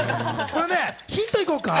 ヒント行こうか。